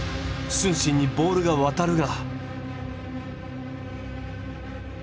承信にボールが渡るが。